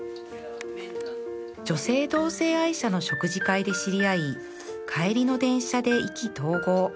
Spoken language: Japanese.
女性同性愛者の食事会で知り合い帰りの電車で意気投合